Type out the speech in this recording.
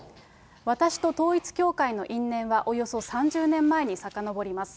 私と統一教会の因縁はおよそ３０年前にさかのぼります。